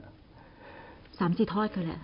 ๓๔ทอดก็แหละครับ